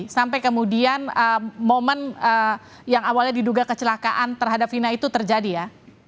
sampai kemudian momen yang awalnya diduga kecelakaan terhadap fina itu terjadi ya